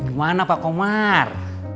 gimana pak komar